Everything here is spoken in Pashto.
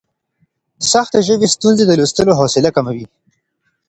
سختې ژبې ستونزې د لوستلو حوصله کموي.